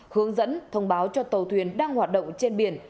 hướng dẫn thông báo cho tàu thuyền đang hoạt động trên biển